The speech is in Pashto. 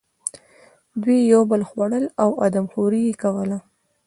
دوی یو بل خوړل او آدم خوري یې کوله.